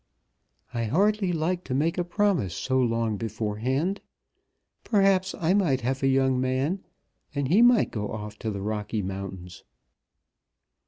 "I hardly like to make a promise so long beforehand. Perhaps I might have a young man, and he might go off to the Rocky Mountains."